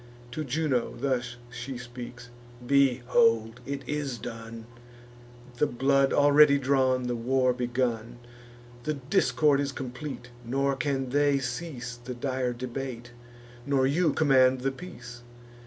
To Juno thus she speaks: "Behold! It is done, The blood already drawn, the war begun; The discord is complete; nor can they cease The dire debate, nor you command the peace.